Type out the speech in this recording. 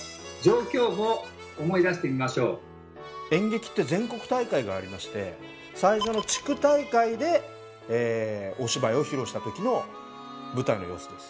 演劇って全国大会がありまして最初の地区大会でお芝居を披露した時の舞台の様子です。